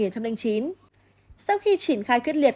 sau khi triển khai quyết liệt